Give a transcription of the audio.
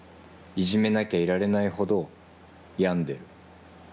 いじめなきゃいられないほど病んでいる。